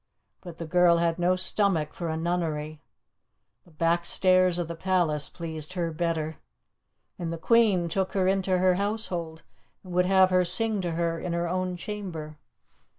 But the girl had no stomach for a nunnery; the backstairs of the palace pleased her better, and the Queen took her into her household, and would have her sing to her in her own chamber.